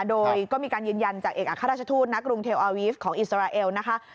โดยก็มีการยืนยันจากเอกอัครราชทูตนักกรุงเทลอาวีฟของอิสราเอลนะคะ